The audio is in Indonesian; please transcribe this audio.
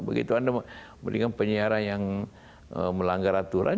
begitu anda memberikan penyiaran yang melanggar aturan